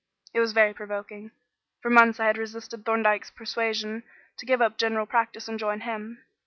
It was very provoking. For months I had resisted Thorndyke's persuasion to give up general practice and join him.